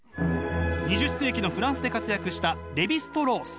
２０世紀のフランスで活躍したレヴィ＝ストロース。